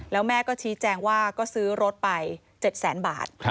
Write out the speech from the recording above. แล้วแม่ก็ชี้แจงว่าก็ซื้อรถไป๗แสนบาท